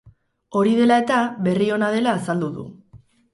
Hori dela eta, berri ona dela azaldu du.